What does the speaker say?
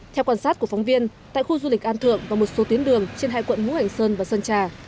theo quan sát của phóng viên tại khu du lịch an thượng và một số tuyến đường trên hai quận hữu hành sơn và sơn trà